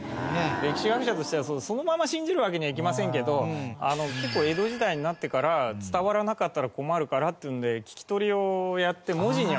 歴史学者としてはそのまま信じるわけにはいきませんけど結構江戸時代になってから伝わらなかったら困るからっていうので聞き取りをやって文字には起こしてありましたね